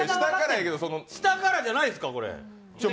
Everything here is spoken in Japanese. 下からじゃないですか、これ。